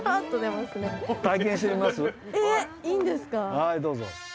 はいどうぞ。